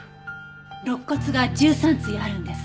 肋骨が１３対あるんです。